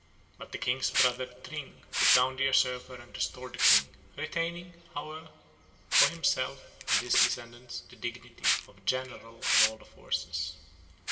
But the king's brother Tring put down the usurper and restored the king, retaining, however, for himself and his descendants the dignity of general of all the forces.